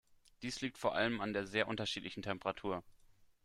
Dies liegt vor allem an der sehr unterschiedlichen Temperatur.